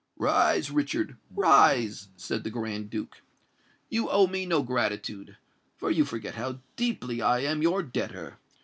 "Rise, Richard—rise," said the Grand Duke: "you owe me no gratitude—for you forget how deeply I am your debtor!